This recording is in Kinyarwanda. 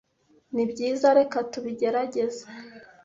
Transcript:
Nibyiza, reka tubigerageze.